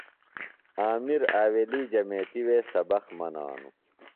عامر آویلی جمیتِوے سبق منانوۡ۔